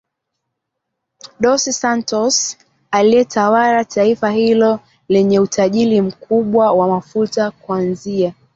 Dos Santos aliyetawala taifa hilo lenye utajiri mkubwa wa mafuta kuanzia